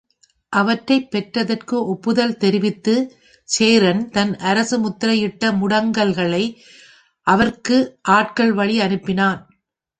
அவற்றைப் பெற்றதற்கு ஒப்புதல் தெரிவித்துச் சேரன் தன் அரசு முத்திரை இட்ட முடங்கல்களை அவருக்கு ஆட்கள் வழி அனுப்பினான்.